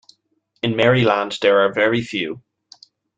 In Maryland there are very few.